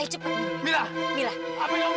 itu bukan apa apa nak